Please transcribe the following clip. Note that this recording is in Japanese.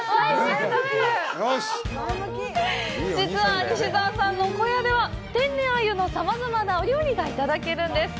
実は、西沢さんの小屋では天然アユのさまざまなお料理がいただけるんです。